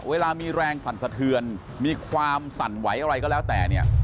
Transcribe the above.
เวลามีแรงสั่นสะเทือนมีความสั่นไหวอะไรก็แล้วแต่เนี่ย